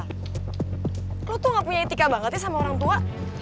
aku tuh gak punya etika banget ya sama orang tua